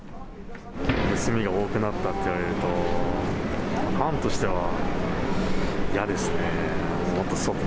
盗みが多くなったっていわれると、ファンとしては嫌ですね。